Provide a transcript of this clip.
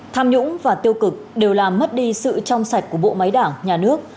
tham nhũng và tiêu cực đều làm mất đi sự trong sạch của bộ máy đảng nhà nước